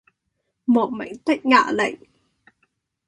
莫名的壓力